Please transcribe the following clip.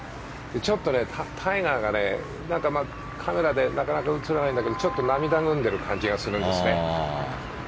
ちょっとタイガーが、カメラでなかなか映らないんだけど涙ぐんでる感じがするんですね。